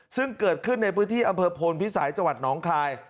ซึ่งเกิดขึ้นในพื้นที่อำเภอโพนพิสัยจังหวัดน้องคาย